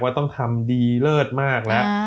ต้องทำดีเลิศมากแล้ว